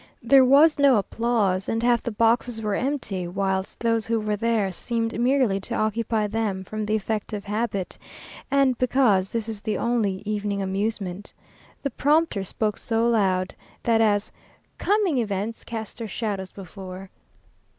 There was no applause, and half the boxes were empty, whilst those who were there seemed merely to occupy them from the effect of habit, and because this is the only evening amusement. The prompter spoke so loud, that as "Coming events cast their shadows before."